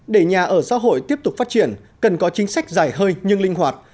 để nhà ở xã hội tiếp tục phát triển cần có chính sách dài hơi nhưng linh hoạt